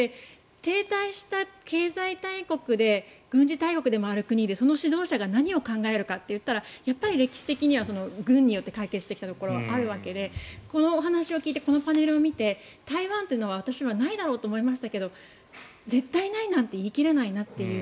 停滞した経済大国で軍事大国でもある国でその指導者が何を考えるかって言ったらやっぱり歴史的には軍によって解決してきたところはあるわけでこのお話を聞いてこのパネルを見て台湾というのは私はないだろうと思いましたが絶対ないなんて言い切れないなっていう。